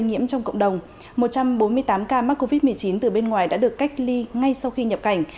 nhiễm trong cộng đồng một trăm bốn mươi tám ca mắc covid một mươi chín từ bên ngoài đã được cách ly ngay sau khi nhập cảnh